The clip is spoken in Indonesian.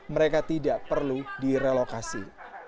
mereka tidak perlu direlokasi